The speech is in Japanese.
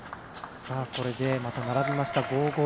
これでまた並びました５−５。